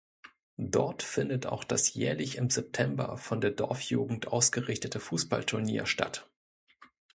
Dort findet auch das jährlich im September von der Dorfjugend ausgerichtete Fußballturnier statt.